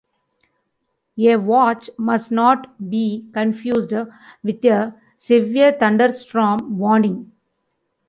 A watch must not be confused with a Severe Thunderstorm Warning.